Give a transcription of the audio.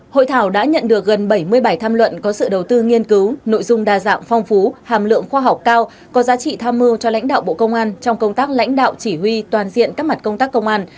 hội thảo đã nhận được gần bảy mươi bài tham luận có sự đầu tư nghiên cứu nội dung đa dạng phong phú hàm lượng khoa học cao có giá trị tham mưu cho lãnh đạo bộ công an trong công tác lãnh đạo chỉ huy toàn diện các mặt công tác công an